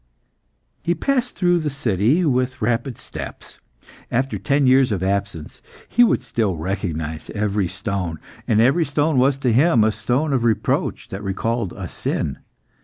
He passed through the city with rapid steps. After ten years of absence he would still recognise every stone, and every stone was to him a stone of reproach that recalled a sin.